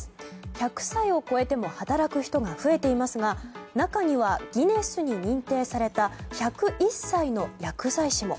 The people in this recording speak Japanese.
１００歳を超えても働く人が増えていますが中には、ギネスに認定された１０１歳の薬剤師も。